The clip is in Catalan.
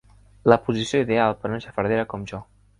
La posició ideal per a una xafardera com jo.